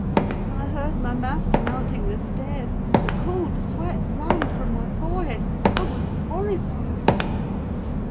I heard my master mounting the stairs—the cold sweat ran from my forehead: I was horrified.